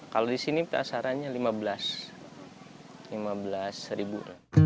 kalau di sini pasarannya lima belas ribu